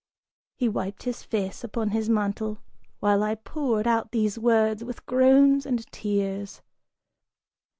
He wiped his face upon his mantle, while I poured out these words, with groans and tears.